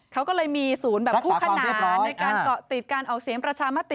เขาก็เลยมีศูนย์แบบคู่ขนานในการเกาะติดการออกเสียงประชามติ